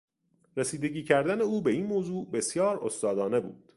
رسیدگی کردن او به این موضوع بسیار استادانه بود.